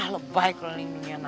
lebih baik keliling dunia